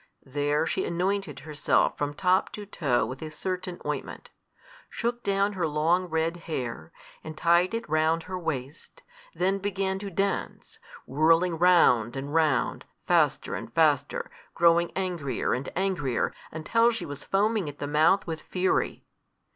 There she anointed herself from top to toe with a certain ointment; shook down her long red hair, and tied it round her waist; then began to dance, whirling round and round, faster and faster, growing angrier and angrier, until she was foaming at the mouth with fury.